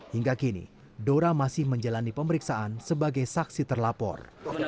hingga kini dora masih menjalani pemeriksaan sebagai saksi terlapor